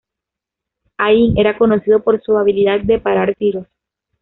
Hain era conocido por su habilidad de parar tiros.